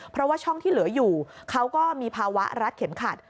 เพราะว่าช่องที่เหลืออยู่เขาก็มีภาวะรัดเข็มขัด